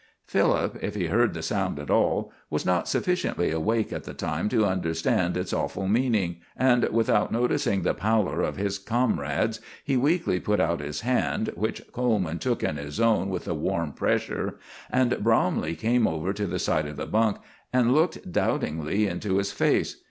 Philip, if he heard the sound at all, was not sufficiently awake at the time to understand its awful meaning; and without noticing the pallor of his comrades, he weakly put out his hand, which Coleman took in his own with a warm pressure, and Bromley came over to the side of the bunk and looked doubtingly into his face.